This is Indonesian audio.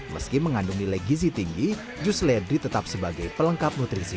meski mengandung nilai gizi tinggi jus seledri tetap sebagai pelengkap nutrisi